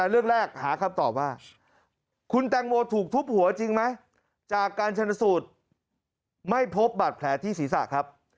เรื่องแรกหาคำตอบว่าคุณแตงโมถูกทุบหัวจริงไหมจากการชนสูตรไม่พบบาดแผลที่ศีรษะครับ